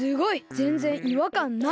ぜんぜんいわかんない。